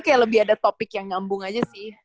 kayak lebih ada topik yang nyambung aja sih